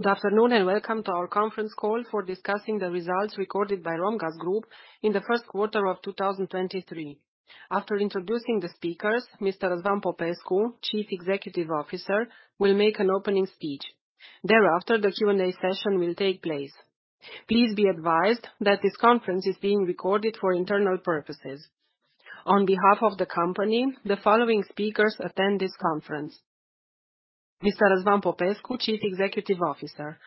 Good afternoon, welcome to our conference call for discussing the results recorded by Romgaz Group in the first quarter of 2023. After introducing the speakers, Mr. Răzvan Popescu, Chief Executive Officer, will make an opening speech. Thereafter, the Q&A session will take place. Please be advised that this conference is being recorded for internal purposes. On behalf of the company, the following speakers attend this conference: Mr. Răzvan Popescu, Chief Executive Officer,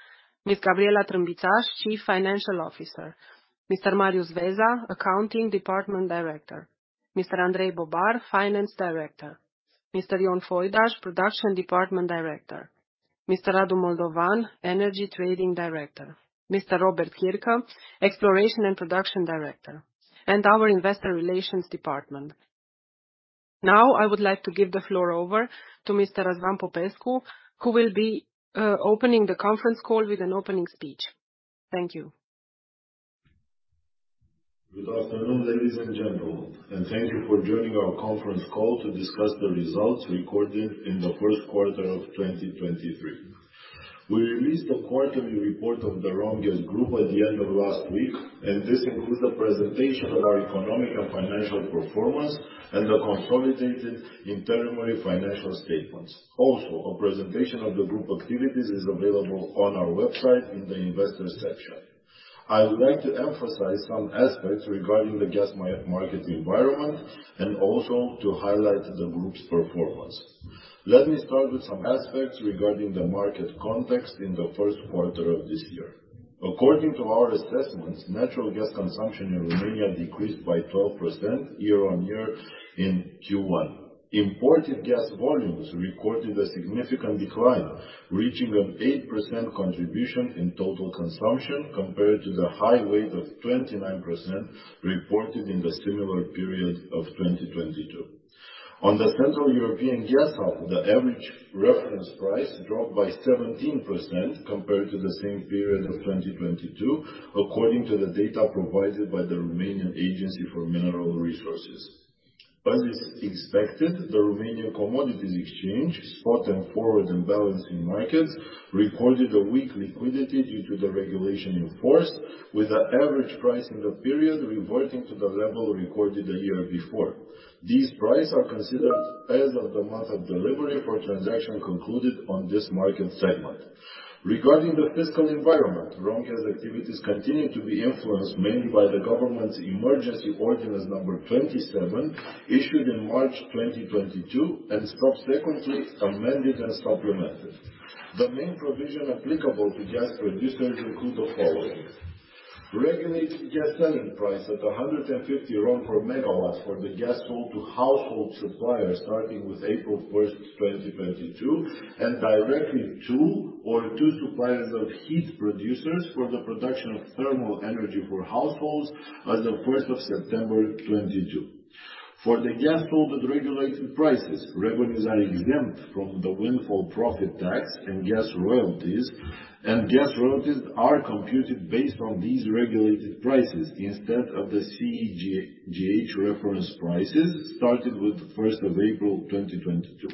Ms. Gabriela Trâmbițaș, Chief Financial Officer, Mr. Marius Veza, Accounting Department Director, Mr. Andrei Bobar, Finance Director, Mr. Ion Foidaș, Production Department Director, Mr. Radu Moldovan, Energy Trading Director, Mr. Róbert Király, Exploration-Production Director, and our Investor Relations Department. Now, I would like to give the floor over to Mr. Răzvan Popescu, who will be opening the conference call with an opening speech. Thank you. Good afternoon, ladies and gentlemen, and thank you for joining our conference call to discuss the results recorded in the first quarter of 2023. We released the quarterly report of the Romgaz Group at the end of last week, and this includes the presentation of our economic and financial performance and the consolidated intermediary financial statements. A presentation of the group activities is available on our website in the investor section. I would like to emphasize some aspects regarding the gas market environment and also to highlight the group's performance. Let me start with some aspects regarding the market context in the first quarter of this year. According to our assessments, natural gas consumption in Romania decreased by 12% year-on-year in Q1. Imported gas volumes recorded a significant decline, reaching an 8% contribution in total consumption compared to the high rate of 29% reported in the similar period of 2022. On the Central European Gas Hub, the average reference price dropped by 17% compared to the same period of 2022, according to the data provided by the National Agency for Mineral Resources. As is expected, the Romanian Commodities Exchange spot and forward and balancing markets recorded a weak liquidity due to the regulation in force, with the average price in the period reverting to the level recorded the year before. These price are considered as of the month of delivery for transaction concluded on this market segment. Regarding the fiscal environment, Romgaz activities continue to be influenced mainly by the Government Emergency Ordinance number 27, issued in March 2022, and subsequently amended and supplemented. The main provision applicable to gas producers include the following: Regulated gas selling price at RON 150 per MWh for the gas sold to household suppliers starting with April 1, 2022, and directly to or to suppliers of heat producers for the production of thermal energy for households as of September 1, 2022. For the gas sold at regulated prices, revenues are exempt from the windfall profit tax and gas royalties. Gas royalties are computed based on these regulated prices instead of the CEGH reference prices starting with April 1, 2022.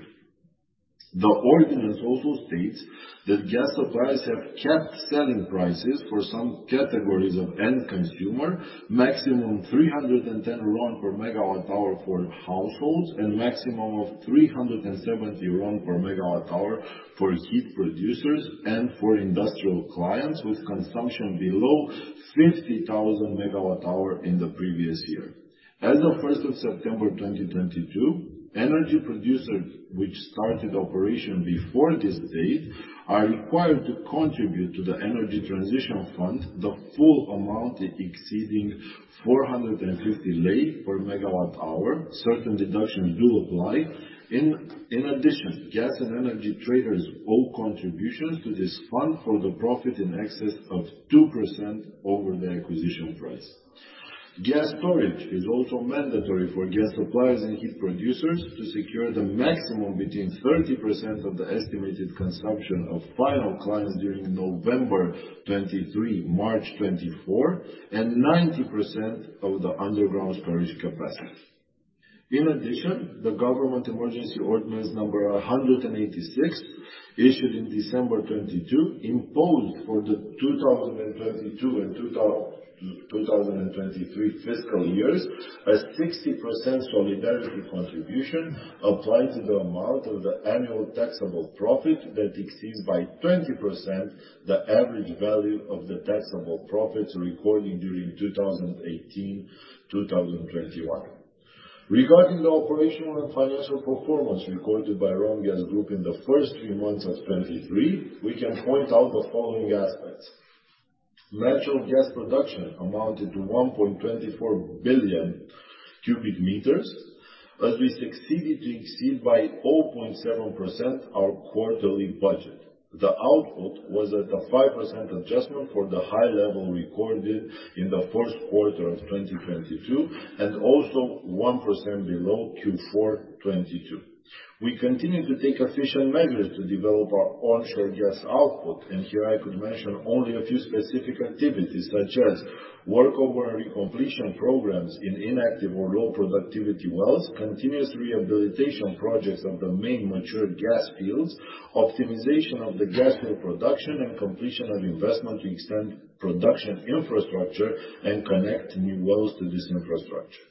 The ordinance also states that gas suppliers have capped selling prices for some categories of end consumer, maximum RON 310 per MWh for households and maximum of RON 370 per MWh for heat producers and for industrial clients with consumption below 50,000 MWh in the previous year. As of 1st of September, 2022, energy producers which started operation before this date are required to contribute to the energy transition fund the full amount exceeding 450 LEI per MWh. Certain deductions do apply. In addition, gas and energy traders owe contributions to this fund for the profit in excess of 2% over the acquisition price. Gas storage is also mandatory for gas suppliers and heat producers to secure the maximum between 30% of the estimated consumption of final clients during November 2023, March 2024 and 90% of the underground storage capacity. In addition, the Government Emergency Ordinance No. 186, issued in December 2022, imposed for the 2022 and 2023 fiscal years, a 60% solidarity contribution applied to the amount of the annual taxable profit that exceeds by 20% the average value of the taxable profits recorded during 2018, 2021. Regarding the operational and financial performance recorded by Romgaz Group in the first 3 months of 2023, we can point out the following aspects. Natural gas production amounted to 1.24 billion cubic meters, as we succeeded to exceed by 0.7% our quarterly budget. The output was at a 5% adjustment for the high level recorded in the first quarter of 2022 and also 1% below Q4 2022. We continue to take efficient measures to develop our onshore gas output, here I could mention only a few specific activities such as workover and recompletion programs in inactive or low productivity wells, continuous rehabilitation projects of the main mature gas fields, optimization of the gas well production and completion of investment to extend production infrastructure and connect new wells to this infrastructure.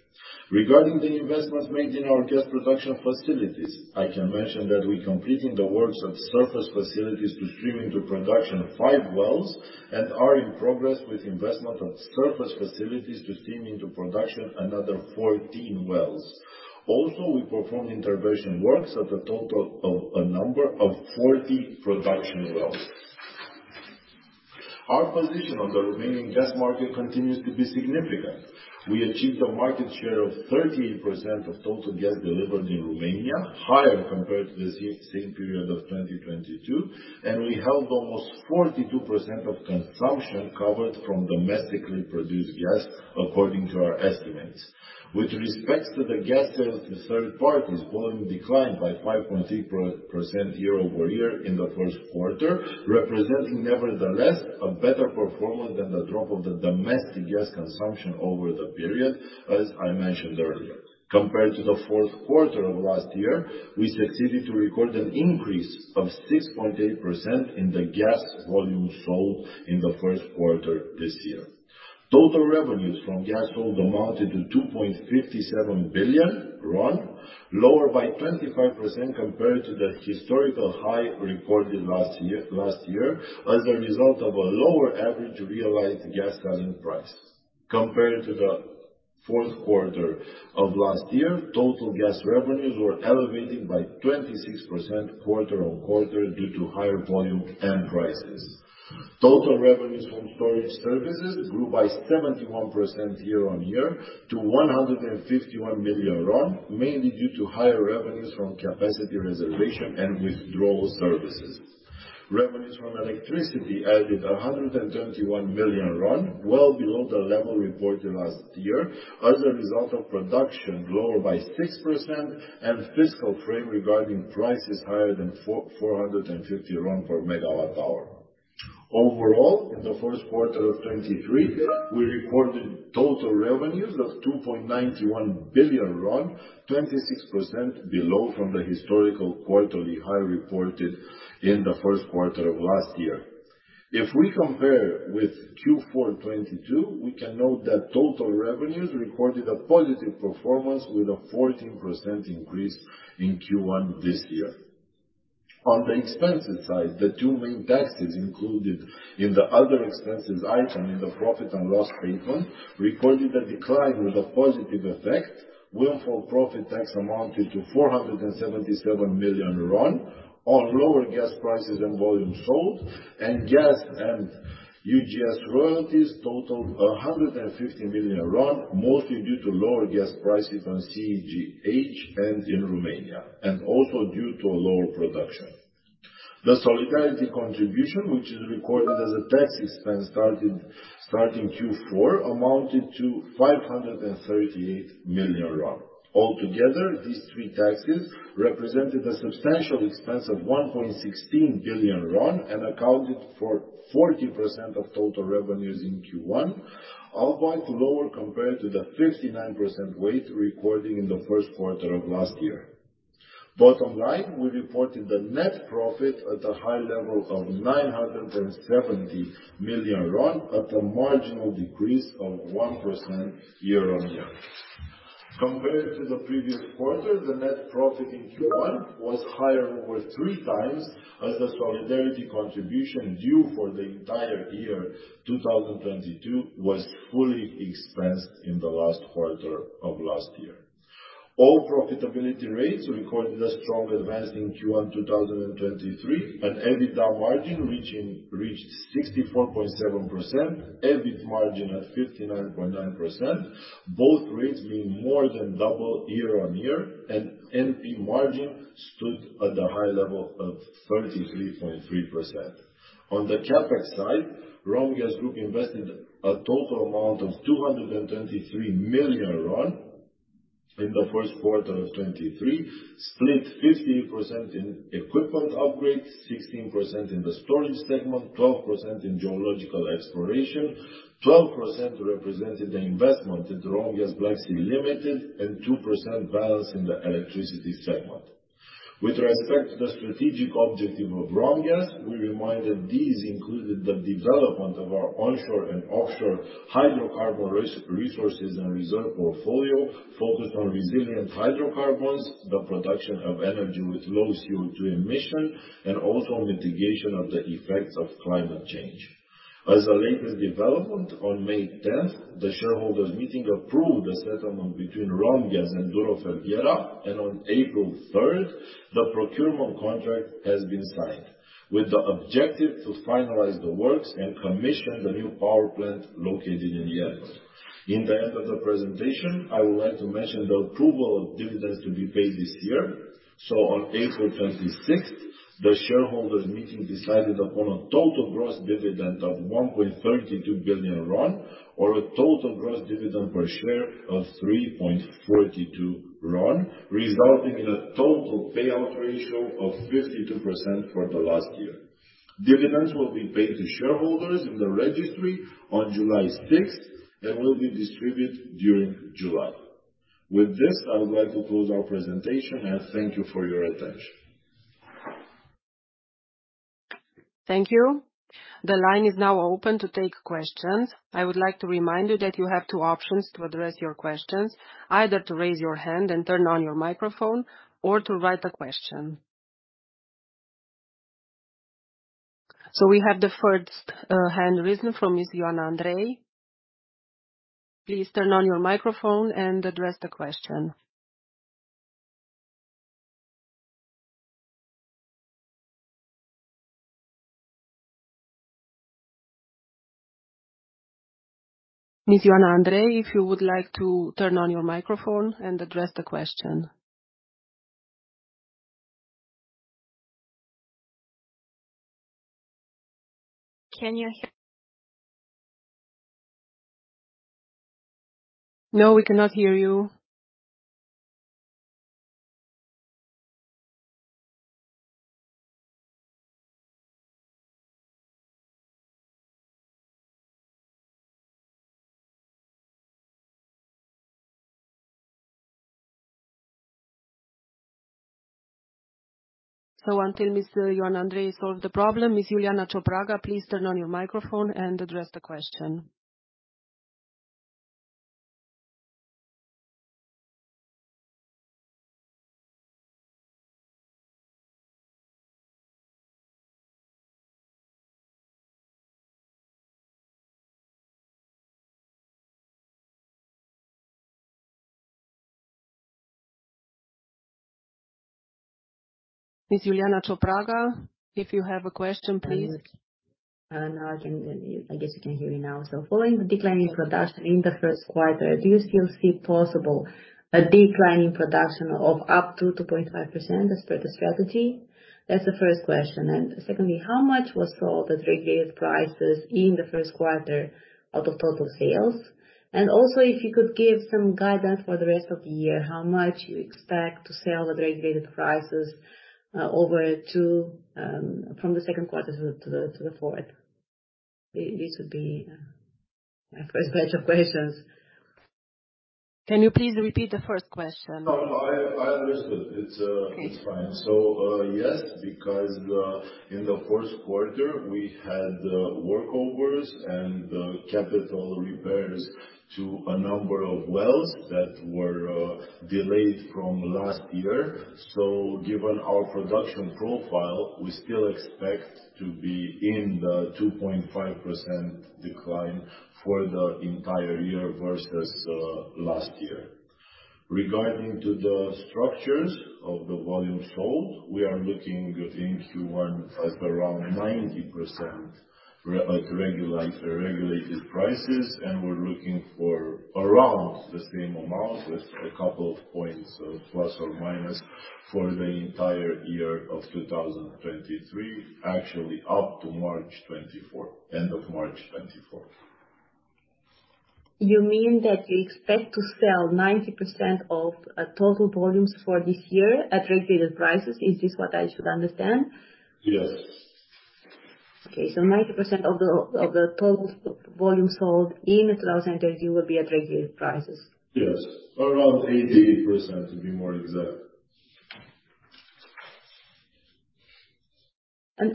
Regarding the investment made in our gas production facilities, I can mention that we're completing the works of surface facilities to stream into production 5 wells and are in progress with investment of surface facilities to stream into production another 14 wells. We performed intervention works of a total of a number of 40 production wells. Our position on the Romanian gas market continues to be significant. We achieved a market share of 38% of total gas delivered in Romania, higher compared to the same period of 2022, and we held almost 42% of consumption covered from domestically produced gas, according to our estimates. With respects to the gas sales to third parties, volume declined by 5.6% year-over-year in the first quarter, representing nevertheless a better performance than the drop of the domestic gas consumption over the period, as I mentioned earlier. Compared to the fourth quarter of last year, we succeeded to record an increase of 6.8% in the gas volume sold in the first quarter this year. Total revenues from gas sold amounted to RON 2.57 billion, lower by 25% compared to the historical high reported last year as a result of a lower average realized gas selling price. Compared to the fourth quarter of last year, total gas revenues were elevated by 26% quarter on quarter due to higher volume and prices. Total revenues from storage services grew by 71% year on year to RON 151 million, mainly due to higher revenues from capacity reservation and withdrawal services. Revenues from electricity added RON 121 million, well below the level reported last year as a result of production lower by 6% and fiscal frame regarding prices higher than RON 450 per MWh. Overall, in the first quarter of 2023, we reported total revenues of RON 2.91 billion, 26% below from the historical quarterly high reported in the first quarter of last year. If we compare with Q4 2022, we can note that total revenues recorded a positive performance with a 14% increase in Q1 this year. On the expenses side, the two main taxes included in the other expenses item in the profit and loss statement recorded a decline with a positive effect. Windfall profit tax amounted to RON 477 million on lower gas prices and volume sold, and gas and UGS royalties totaled RON 150 million, mostly due to lower gas prices on CEGH and in Romania, and also due to lower production. The solidarity contribution, which is recorded as a tax expense starting Q4, amounted to RON 538 million. Altogether, these three taxes represented a substantial expense of RON 1.16 billion and accounted for 40% of total revenues in Q1, albeit lower compared to the 59% weight recording in the first quarter of last year. Bottom line, we reported a net profit at a high level of RON 970 million at a marginal decrease of 1% year-on-year. Compared to the previous quarter, the net profit in Q1 was higher over 3 times as the solidarity contribution due for the entire year 2022 was fully expensed in the last quarter of last year. All profitability rates recorded a strong advance in Q1 2023, an EBITDA margin reached 64.7%, EBIT margin at 59.9%, both rates being more than double year-on-year. NP margin stood at a high level of 33.3%. On the CapEx side, Romgaz Group invested a total amount of RON 223 million in the first quarter of 2023, split 50% in equipment upgrades, 16% in the storage segment, 12% in geological exploration. 12% represented the investment in Romgaz Black Sea Limited. 2% balanced in the electricity segment. With respect to the strategic objective of Romgaz, we remind that these included the development of our onshore and offshore hydrocarbon resources and reserve portfolio focused on resilient hydrocarbons, the production of energy with low CO2 emission, and also mitigation of the effects of climate change. As the latest development, on May 10th, the shareholders' meeting approved the settlement between Romgaz and Duro Felguera, and on April 3rd, the procurement contract has been signed with the objective to finalize the works and commission the new power plant located in Iernut. In the end of the presentation, I would like to mention the approval of dividends to be paid this year. On April 26th, the shareholders' meeting decided upon a total gross dividend of RON 1.32 billion, or a total gross dividend per share of RON 3.42, resulting in a total payout ratio of 52% for the last year. Dividends will be paid to shareholders in the registry on July 6th and will be distributed during July. With this, I would like to close our presentation and thank you for your attention. Thank you. The line is now open to take questions. I would like to remind you that you have two options to address your questions. Either to raise your hand and turn on your microphone or to write a question. We have the first hand raised from Ms. Ioana Andrei. Please turn on your microphone and address the question. Ms. Ioana Andrei, if you would like to turn on your microphone and address the question. Can you hear me? No, we cannot hear you. Until Ms. Ioana Andrei solves the problem, Ms. Iuliana Ciopraga, please turn on your microphone and address the question. Ms. Iuliana Ciopraga, if you have a question, please. Now I can... I guess you can hear me now. Following the decline in production in the first quarter, do you still see it possible a decline in production of up to 2.5% as per the strategy? That's the first question. Secondly, how much was sold at regulated prices in the first quarter out of total sales? Also, if you could give some guidance for the rest of the year, how much you expect to sell at regulated prices, over to, from the second quarter to the fourth? This would be a first batch of questions. Can you please repeat the first question? No, no, I understood. Okay. it's fine. yes, because in the first quarter, we had workovers and capital repairs to a number of wells that were delayed from last year. Given our production profile, we still expect to be in the 2.5% decline for the entire year versus last year. Regarding to the structures of the volume sold, we are looking at in Q1 at around 90% regulated prices, and we're looking for around the same amount with a couple of points of plus or minus for the entire year of 2023, actually up to March 24th, end of March 24th. You mean that you expect to sell 90% of total volumes for this year at regulated prices? Is this what I should understand? Yes. Okay. 90% of the total volume sold in 2023 will be at regulated prices. Yes. Around 80% to be more exact.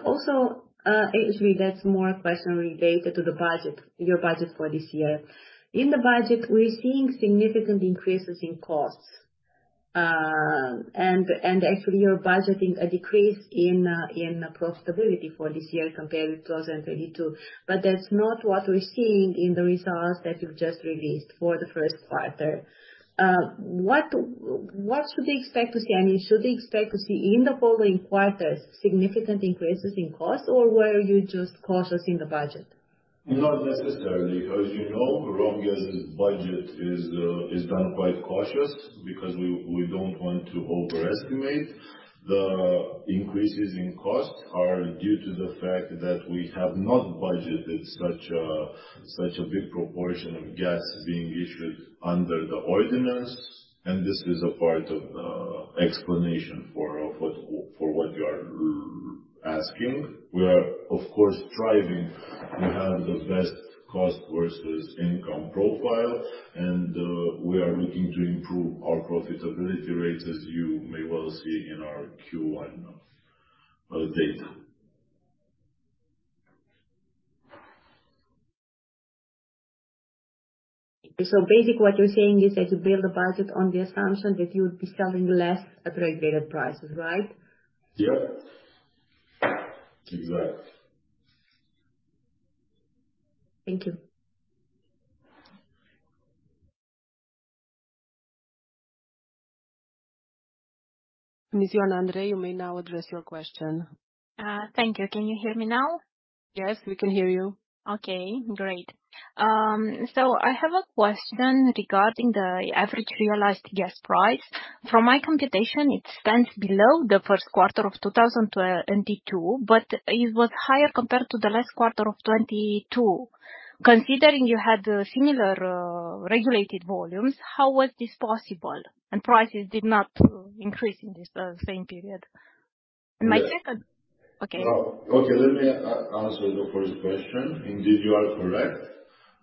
Also, actually that's more a question related to the budget, your budget for this year. In the budget, we're seeing significant increases in costs. Actually you're budgeting a decrease in profitability for this year compared with 2022. That's not what we're seeing in the results that you've just released for the first quarter. What should we expect to see? I mean, should we expect to see in the following quarters significant increases in cost, or were you just cautious in the budget? Not necessarily. As you know, Romgaz's budget is done quite cautious because we don't want to overestimate. The increases in cost are due to the fact that we have not budgeted such a big proportion of gas being issued under the ordinance. This is a part of explanation for what you are asking. We are of course striving to have the best cost versus income profile. We are looking to improve our profitability rates, as you may well see in our Q1 data. Basically what you're saying is that you built the budget on the assumption that you would be selling less at regulated prices, right? Yeah. Exactly. Thank you. Ms. Ioana Andrei, you may now address your question. Thank you. Can you hear me now? Yes, we can hear you. Okay, great. I have a question regarding the average realized gas price. From my computation, it stands below the first quarter of 2022, but it was higher compared to the last quarter of 2022. Considering you had similar regulated volumes, how was this possible and prices did not increase in this same period? Yeah. Okay. Let me answer the first question. Indeed, you are correct.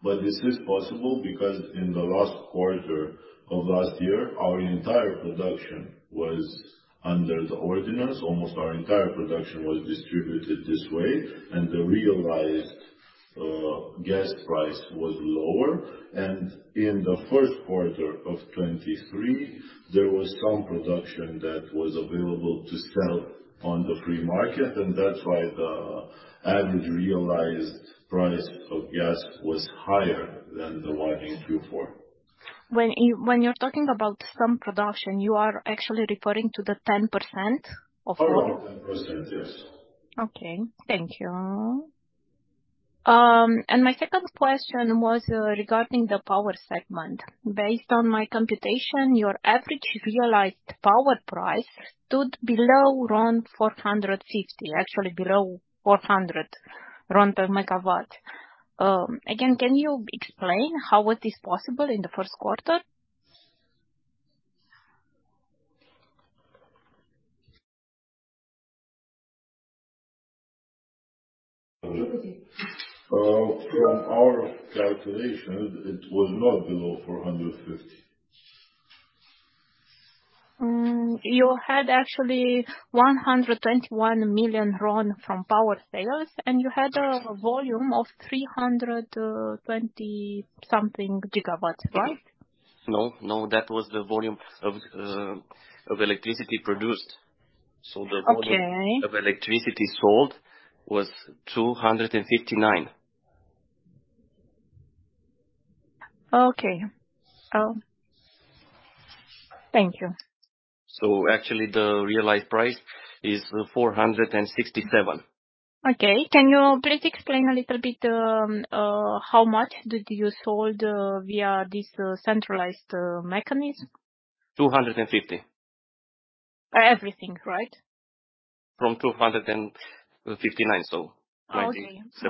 This is possible because in the last quarter of last year, our entire production was under the ordinance. Almost our entire production was distributed this way, and the realized gas price was lower. In the first quarter of 2023, there was some production that was available to sell on the free market, and that's why the average realized price of gas was higher than the one in Q4. When you're talking about some production, you are actually referring to the 10% of. Around 10%, yes. Okay, thank you. My second question was regarding the power segment. Based on my computation, your average realized power price stood below RON 450, actually below RON 400 per MW. Again, can you explain how it is possible in the first quarter? From our calculations, it was not below LEI 450. You had actually RON 121 million from power sales, and you had a volume of 320 something GW, right? No, no, that was the volume of electricity produced. Okay. The volume of electricity sold was 259. Okay. Thank you. actually, the realized price is RON 467. Okay. Can you please explain a little bit, how much did you sold via this centralized mechanism? 250. Everything, right? From 259, so 97%. I see.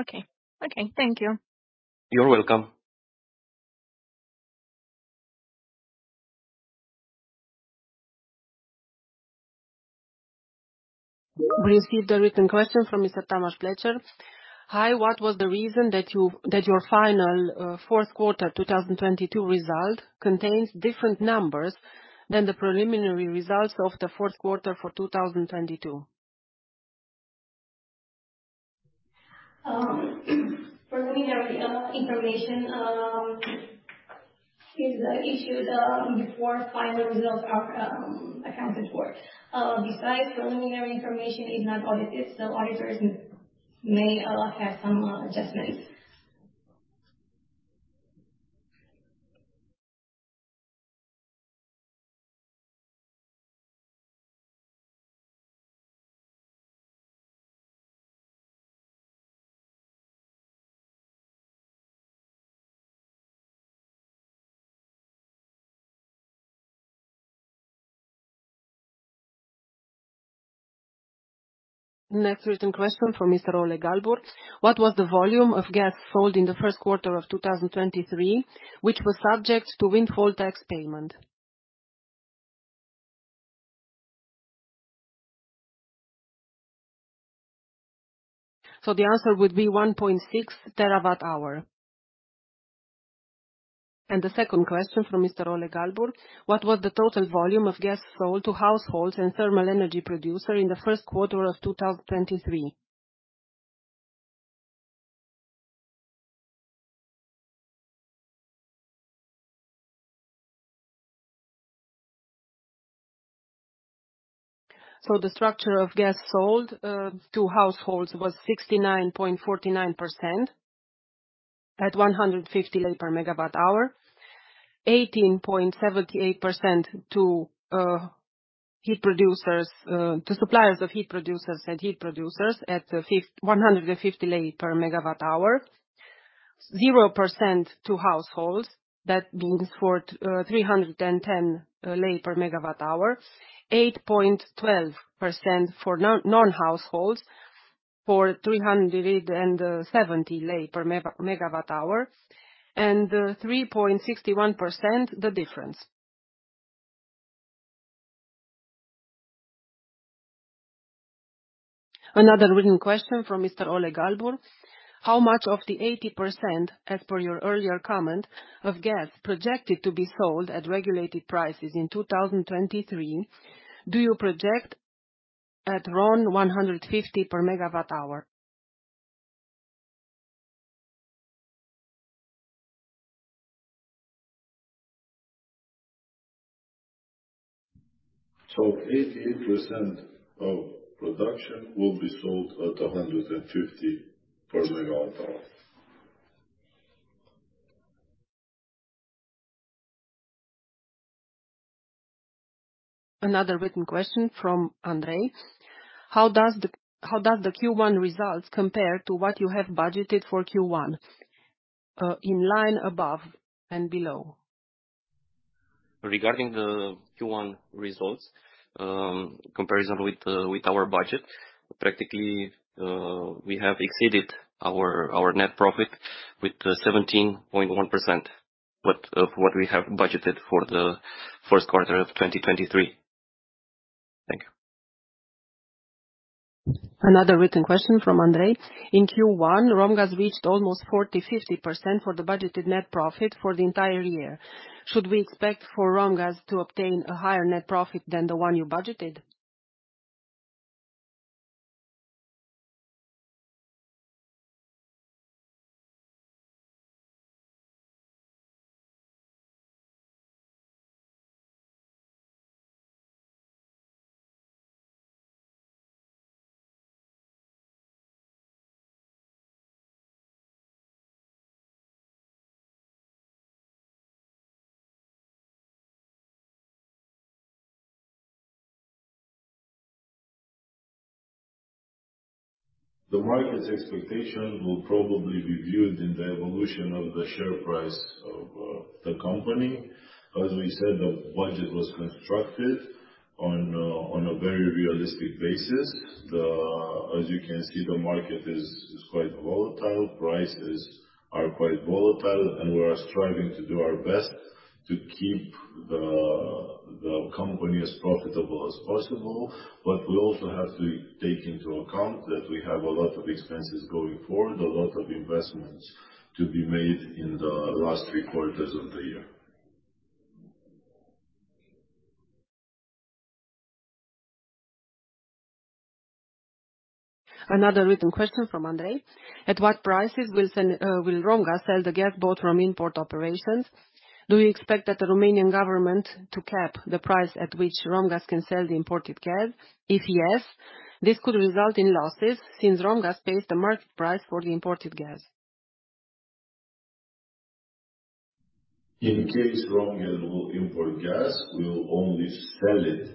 Okay. Okay, thank you. You're welcome. We received a written question from Mr. Thomas Fletcher. Hi, what was the reason that your final, fourth quarter 2022 result contains different numbers than the preliminary results of the fourth quarter for 2022? Preliminary information is issued before final results are accounted for. Besides, preliminary information is not audited, so auditors may have some adjustments. Written question from Mr. Oleg Galbur. What was the volume of gas sold in the first quarter of 2023, which was subject to windfall tax payment? The answer would be 1.6 TWh. The second question from Mr. Oleg Galbur: What was the total volume of gas sold to households and thermal energy producer in the first quarter of 2023? The structure of gas sold to households was 69.49% at 150 LEI per MWh. 18.78% to heat producers, to suppliers of heat producers and heat producers at 150 LEI per MWh. 0% to households, that means for 310 LEI per MWh. 8.12% for non-households for 370 LEI per MWh. 3.61%, the difference. Another written question from Mr. Oleg Galbur. How much of the 80%, as per your earlier comment, of gas projected to be sold at regulated prices in 2023, do you project at RON 150 per MWh? 88% of production will be sold at RON 150 per MWh. Another written question from Andrei. How does the Q1 results compare to what you have budgeted for Q1, in line, above and below? Regarding the Q1 results, comparison with our budget, practically, we have exceeded our net profit with, 17.1%, but of what we have budgeted for the first quarter of 2023. Thank you. Another written question from Andrei. In Q1, Romgaz reached almost 40, 50% for the budgeted net profit for the entire year. Should we expect for Romgaz to obtain a higher net profit than the one you budgeted? The market's expectation will probably be viewed in the evolution of the share price of the company. As we said, the budget was constructed on a very realistic basis. As you can see, the market is quite volatile. Prices are quite volatile. We are striving to do our best to keep the company as profitable as possible. We also have to take into account that we have a lot of expenses going forward, a lot of investments to be made in the last three quarters of the year. Another written question from Andrei. At what prices will Romgaz sell the gas bought from import operations? Do you expect that the Romanian government to cap the price at which Romgaz can sell the imported gas? If yes, this could result in losses since Romgaz pays the market price for the imported gas. In case Romgaz will import gas, we will only sell it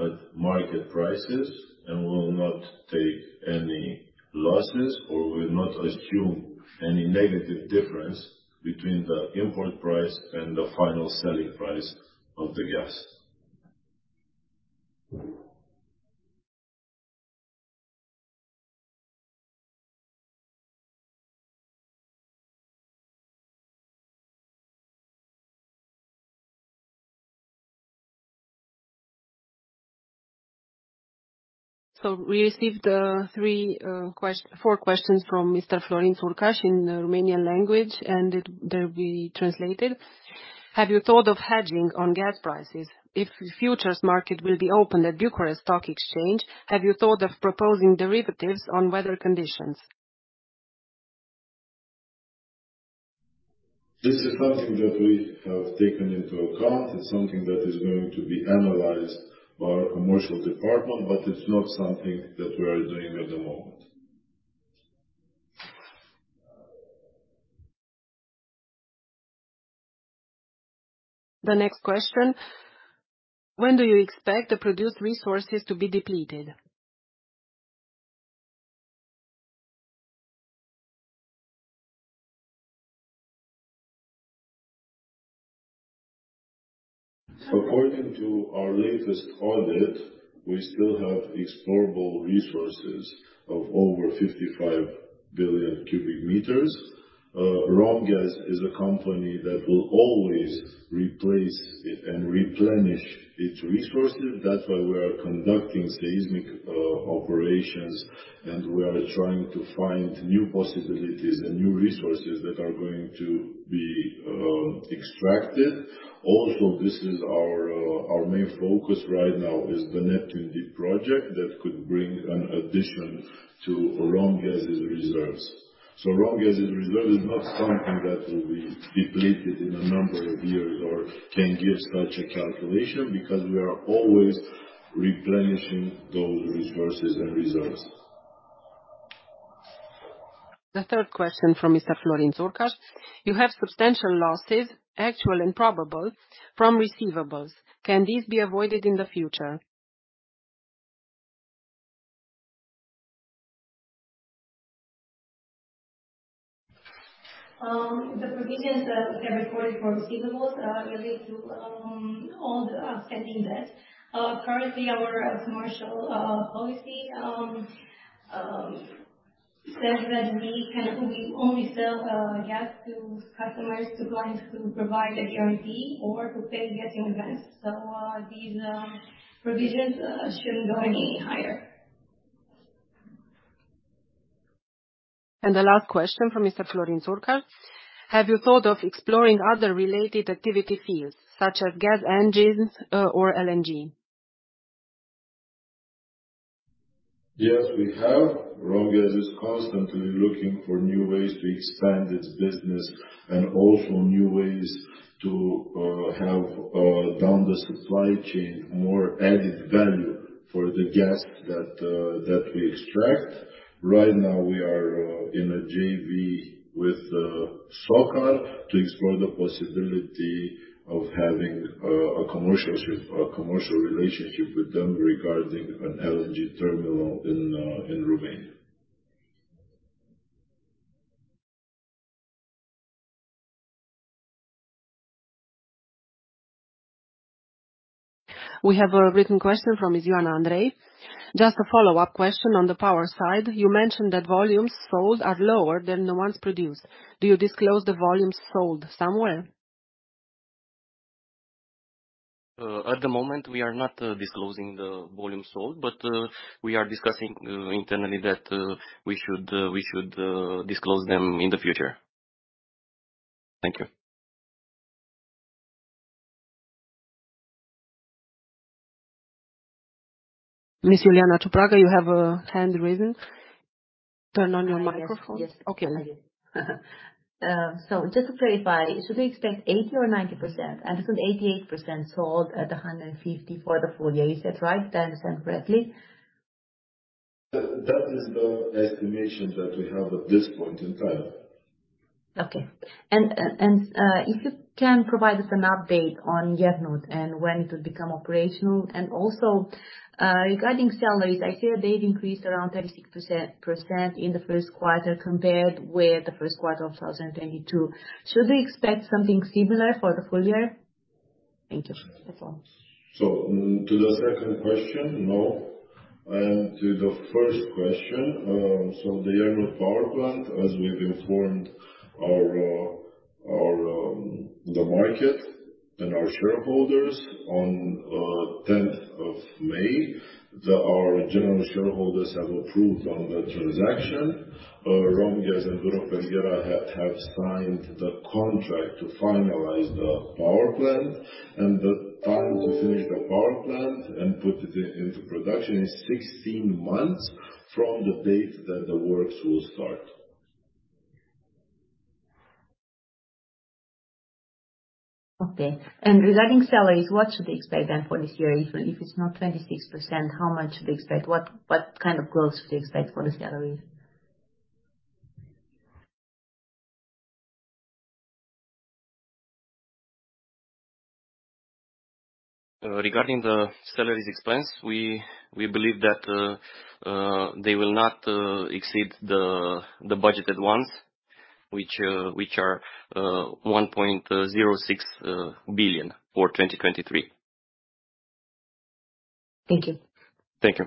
at market prices and will not take any losses, or we will not assume any negative difference between the import price and the final selling price of the gas. We received three, four questions from Mr. Florin Jurca in the Romanian language. They'll be translated. Have you thought of hedging on gas prices if the futures market will be open at Bucharest Stock Exchange? Have you thought of proposing derivatives on weather conditions? This is something that we have taken into account and something that is going to be analyzed by our commercial department, but it's not something that we are doing at the moment. The next question: When do you expect the produced resources to be depleted? According to our latest audit, we still have explorable resources of over 55 billion cubic meters. Romgaz is a company that will always replace it and replenish its resources. That's why we are conducting seismic operations, and we are trying to find new possibilities and new resources that are going to be extracted. This is our main focus right now is the Neptun Deep project that could bring an addition to Romgaz's reserves. Romgaz's reserve is not something that will be depleted in a number of years or can give such a calculation, because we are always replenishing those resources and reserves. The third question from Mr. Florin Jurca. You have substantial losses, actual and probable, from receivables. Can these be avoided in the future? The provisions that have been recorded for receivables relate to old pending debt. Currently our commercial policy says that we can only sell gas to customers, to clients who provide a guarantee or who pay gas in advance. These provisions shouldn't go any higher. The last question from Mr. Florin Jurca. Have you thought of exploring other related activity fields such as gas engines or LNG? Yes, we have. Romgaz is constantly looking for new ways to expand its business and also new ways to have down the supply chain, more added value for the gas that we extract. Right now we are in a JV with SOCAR to explore the possibility of having a commercial relationship with them regarding an LNG terminal in Romania. We have a written question from Miss Ioana Andrei. Just a follow-up question on the power side. You mentioned that volumes sold are lower than the ones produced. Do you disclose the volumes sold somewhere? At the moment, we are not disclosing the volume sold, but we are discussing internally that we should disclose them in the future. Thank you. Miss Iuliana Ciopraga, you have hand raised. Turn on your microphone. Yes. Yes. Okay. Just to clarify, should we expect 80% or 90%? I understand 88% sold at RON 150 for the full year. Is that right? Did I understand correctly? That is the estimation that we have at this point in time. Okay. If you can provide us an update on Iernut and when it will become operational. Also, regarding salaries, I hear they've increased around 36% in the first quarter compared with the first quarter of 2022. Should we expect something similar for the full year? Thank you. That's all. To the second question, no. To the first question, so the Iernut power plant, as we've informed our, the market and our shareholders on tenth of May, Our general shareholders have approved on the transaction. Romgaz and Duro Felguera have signed the contract to finalize the power plant. The time to finish the power plant and put it into production is 16 months from the date that the works will start. Okay. Regarding salaries, what should we expect then for this year? If it's not 26%, how much should we expect? What kind of growth should we expect for the salaries? Regarding the salaries expense, we believe that they will not exceed the budgeted ones, which are RON 1.06 billion for 2023. Thank you. Thank you.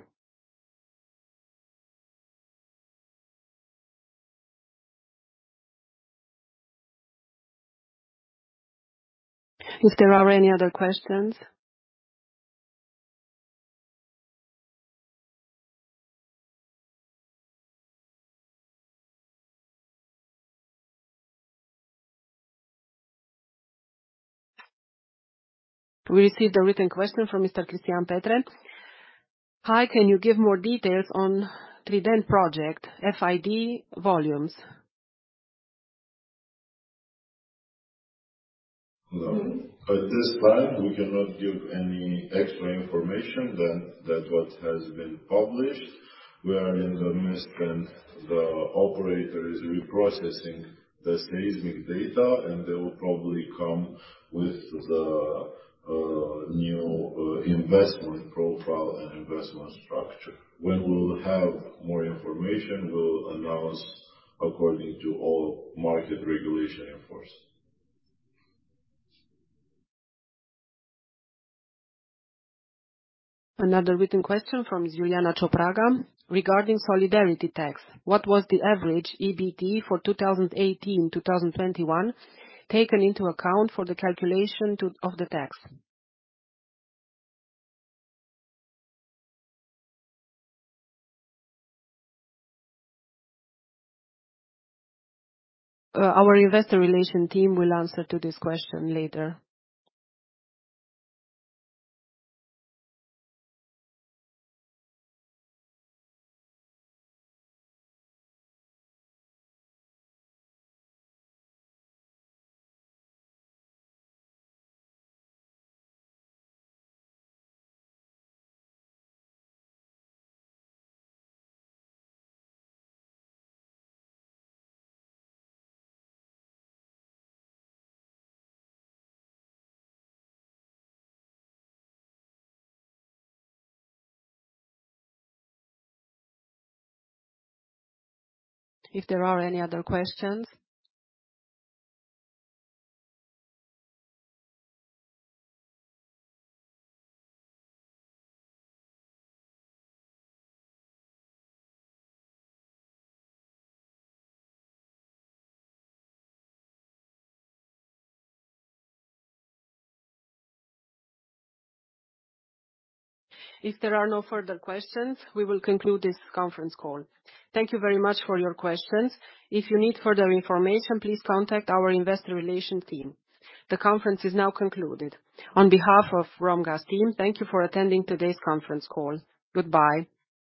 If there are any other questions. We received a written question from Mr. Cristian Petre. Hi, can you give more details on Trident project, FID volumes? No. At this time, we cannot give any extra information than that what has been published. We are in the midst, and the operator is reprocessing the seismic data, and they will probably come with the new investment profile and investment structure. When we will have more information, we'll announce according to all market regulation in force. Another written question from Iuliana Ciopraga. Regarding solidarity tax, what was the average EBT for 2018-2021 taken into account for the calculation of the tax? Our investor relation team will answer to this question later. If there are any other questions. If there are no further questions, we will conclude this conference call. Thank you very much for your questions. If you need further information, please contact our investor relation team. The conference is now concluded. On behalf of Romgaz team, thank you for attending today's conference call. Goodbye.